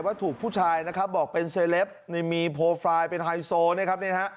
ว่าถูกผู้ชายนะครับบอกเป็นเซเลปต์มีโพลไฟล์เป็นไฮโซนะครับ